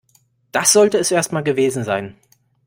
Das sollte es erst mal gewesen sein.